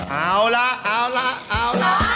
เอาล่ะเอาล่ะเอาล่ะ